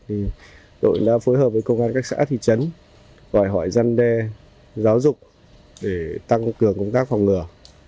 thì đội đã phối hợp với công an các xã thị trấn đòi hỏi răn đe giáo dục để tăng cường công tác phòng ngừa